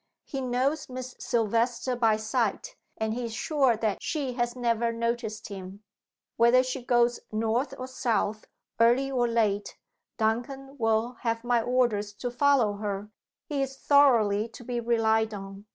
He knows Miss Silvester by sight, and he is sure that she has never noticed him. Whether she goes north or south, early or late, Duncan will have my orders to follow her. He is thoroughly to be relied on.